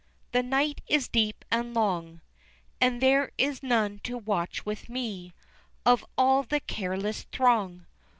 The night is deep and long, And there is none to watch with me Of all the careless throng.